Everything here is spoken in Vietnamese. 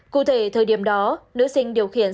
cụ thể thời điểm đó nữ sinh điều khiển